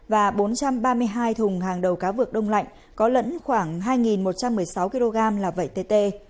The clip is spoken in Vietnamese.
và bốn trăm ba mươi hai thùng hàng đầu cá vược đông lạnh có lẫn khoảng hai một trăm một mươi sáu kg là vẩy tt